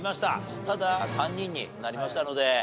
ただ３人になりましたので。